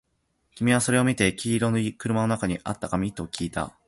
君はそれを見て、黄色い車の中にあった紙？ときいた